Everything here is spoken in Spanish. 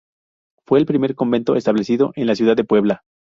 Fue el primer convento establecido en la ciudad de Puebla.